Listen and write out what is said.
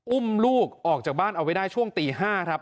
อุ้มลูกออกจากบ้านเอาไว้ได้ช่วงตี๕ครับ